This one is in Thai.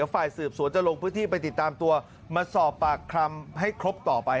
ถ้าเขาไม่มาลุมผมก็ไม่แทงค่ะพี่